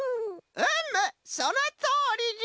・うむそのとおりじゃ！